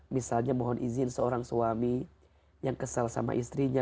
misalnya mohon izin seorang suami yang kesal sama istrinya